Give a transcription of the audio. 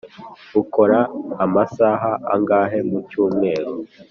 ukora amasaha angahe mu cyumweru?